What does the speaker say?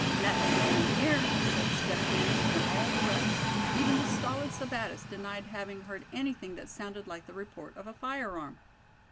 "Nothing doing here," said Step Hen; and all the rest, even the stolid Sebattis, denied having heard anything that sounded like the report of a firearm.